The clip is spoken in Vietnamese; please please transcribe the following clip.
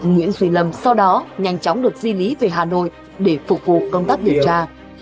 nguyễn duy lâm sau đó nhanh chóng được di lý về hà nội để phục vụ công tác điều tra